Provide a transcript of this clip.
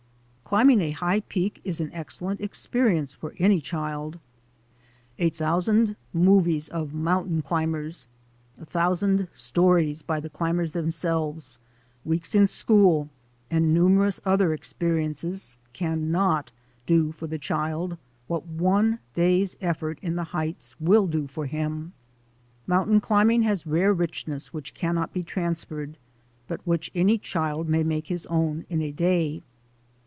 Climbing a high peak is an excellent experience for any child. A thousand movies of mountain climbers, a thousand stories by the climbers them selves, weeks in school, and numerous other ex periences cannot do for the child what one day's effort in the heights will do for him. Mountain climbing has rare richness which cannot be trans ferred, but which any child may make his own in a day.